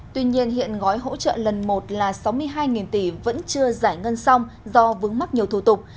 tuy nhiên hiện gói hỗ trợ lần một là sáu mươi hai tỷ vẫn chưa giải ngân xong do vướng mắc nhiều thủ tục